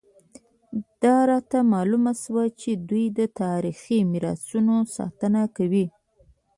دا راته معلومه شوه چې دوی د تاریخي میراثونو ساتنه کوي.